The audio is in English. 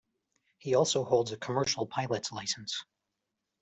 He also holds a commercial pilot's license.